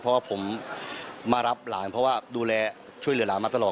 เพราะว่าผมมารับหลานเพราะว่าดูแลช่วยเหลือหลานมาตลอด